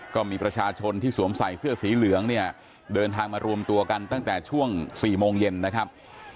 ก็มีประชาชนที่สวมใส่เสื้อสีเหลืองเนี่ยเดินทางมารวมตัวกันตั้งแต่ช่วง๔โมงเย็นนะครับ